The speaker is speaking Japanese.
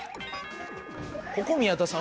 ここ宮田さん